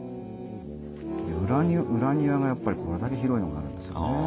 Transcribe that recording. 裏庭がやっぱりこれだけ広いのがあるんですよね。